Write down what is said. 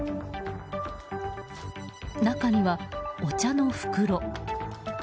中には、お茶の袋。